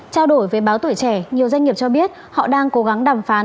trao đổi với báo tuổi trẻ nhiều doanh nghiệp cho biết họ đang cố gắng đàm phán